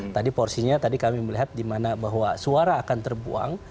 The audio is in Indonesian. tadi porsinya tadi kami melihat di mana bahwa suara akan terbuang